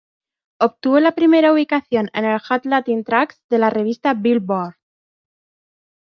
Obtuvo la primera ubicación en el Hot Latin Tracks de la revista Billboard.